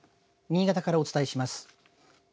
新潟からお伝えします。